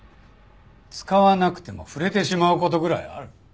使わなくても触れてしまう事ぐらいある。